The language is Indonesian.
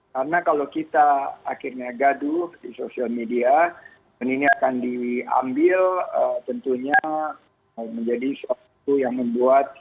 karena kalau kita akhirnya gaduh di sosial media dan ini akan diambil tentunya menjadi suatu yang membuat